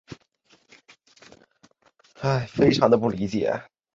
毛脉孩儿参为石竹科孩儿参属的植物。